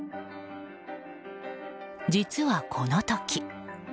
実は、この時。